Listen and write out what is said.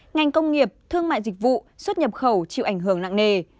ngành công nghiệp thương mại dịch vụ xuất nhập khẩu chịu ảnh hưởng nặng nề